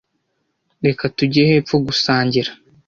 Reka tujye hepfo gusangira.